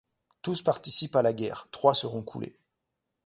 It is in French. Tous participent à la guerre, trois seront coulés.